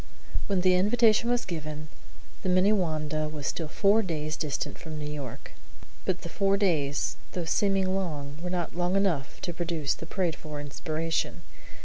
When the invitation was given, the Minnewanda was still four days distant from New York; but the four days, though seeming long, were not long enough to produce the prayed for inspiration.